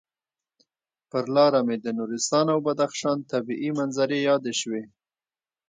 پر لاره مې د نورستان او بدخشان طبعي منظرې یادې شوې.